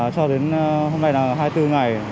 cho đến hôm nay là hai mươi bốn ngày